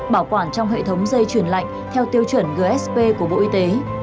bảo quản trong hệ thống dây truyền lạnh theo tiêu chuẩn gsp của bộ y tế